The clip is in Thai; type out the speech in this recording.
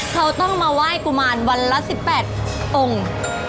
เขาต้องมาไหว้กุมารวันละ๑๘องค์